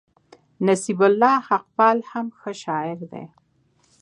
نصيب الله حقپال هم ښه شاعر دئ.